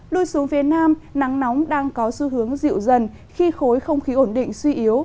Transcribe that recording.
lui xuống phía nam nắng nóng đang có xu hướng dịu dần khi khối không khí ổn định suy yếu